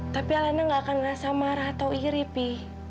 tapi alena gak akan merasa marah atau iri pi